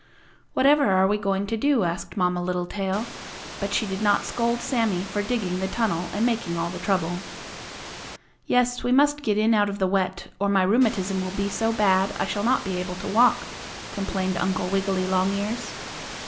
"Whatever are we going to do?" asked Mamma Littletail, but she did not scold Sammie for digging the tunnel and making all the trouble. "Yes, we must get in out of the wet, or my rheumatism will be so bad I shall not be able to walk," complained Uncle Wiggily Longears.